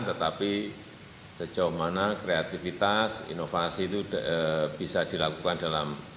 tetapi sejauh mana kreativitas inovasi itu bisa dilakukan dalam